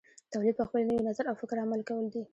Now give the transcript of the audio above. تولید په خپل نوي نظر او فکر عمل کول دي.